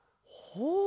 ほう。